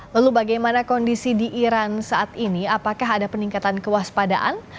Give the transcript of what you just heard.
lalu bagaimana kondisi di iran saat ini apakah ada peningkatan kewaspadaan